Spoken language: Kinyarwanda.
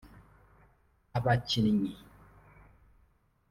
Abakinnyi